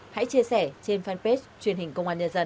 hãy chia sẻ trên fanpage truyền hình công an nhân dân